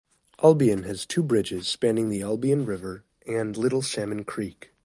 Albion has two bridges, spanning the Albion River and Little Salmon Creek.